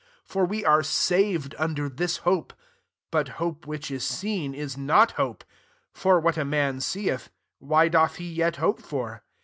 24 For we are saved under this hope : but hope which is seen, is not hope : for what a man seeth, why doth he yet hope for